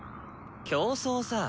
競争さ。